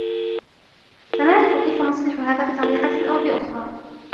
سنعرف كيف نصلح هذا بطريقة أو بأخرى.